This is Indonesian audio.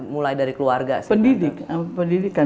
mulai dari keluarga pendidikan